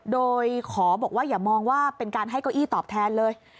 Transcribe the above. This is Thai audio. โดยขอบอกว่าอย่ามองว่าเป็นการให้เก้าอี้ตอบแทนเลย